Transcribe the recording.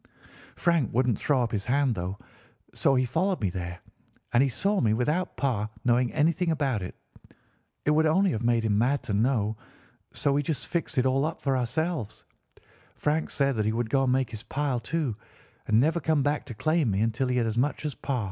Frank wouldn't throw up his hand, though; so he followed me there, and he saw me without Pa knowing anything about it. It would only have made him mad to know, so we just fixed it all up for ourselves. Frank said that he would go and make his pile, too, and never come back to claim me until he had as much as Pa.